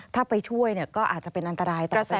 ถ้าไปช่วยก็อาจจะเป็นอันตรายต่อแสง